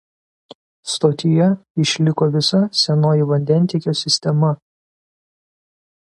Stotyje išliko visa senoji vandentiekio sistema.